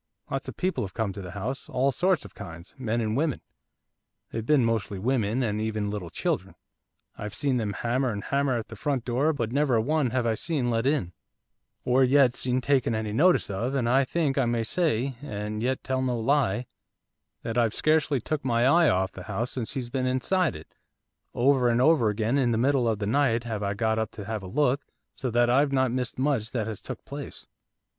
Lots of people have come to the house, all sorts and kinds, men and women they've been mostly women, and even little children. I've seen them hammer and hammer at that front door, but never a one have I seen let in, or yet seen taken any notice of, and I think I may say, and yet tell no lie, that I've scarcely took my eye off the house since he's been inside it, over and over again in the middle of the night have I got up to have a look, so that I've not missed much that has took place.